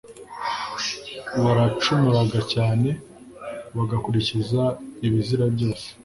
baracumuraga cyane bagakurikiza ibizira byose